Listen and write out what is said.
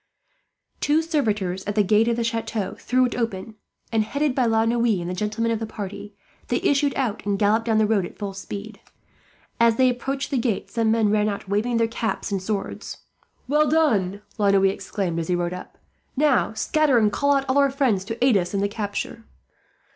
Two servitors at the gate of the chateau threw it open and, headed by La Noue and the gentlemen of the party, they issued out and galloped down the road at full speed. As they approached the gate some men ran out, waving their caps and swords. "Well done!" La Noue exclaimed, as he rode up. "Now, scatter and call out all our friends to aid us in the capture."